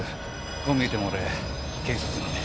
こう見えても俺警察なんで。